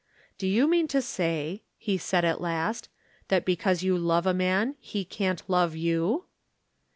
"Do you mean to say," he said at last, "that because you love a man, he can't love you?"